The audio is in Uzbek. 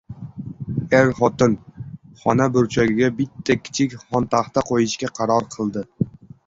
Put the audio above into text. Er-xotin xona burchagiga bitta kichik xontaxta qoʻyishga qaror qildi.